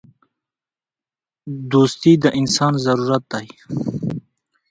• دوستي د انسان ضرورت دی.